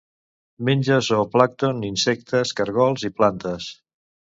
Menja zooplàncton, insectes, caragols i plantes.